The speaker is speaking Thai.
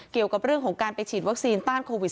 เกี่ยวกับเรื่องของการไปฉีดวัคซีนต้านโควิด๑